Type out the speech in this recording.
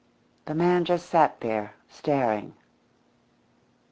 The man just sat there, staring.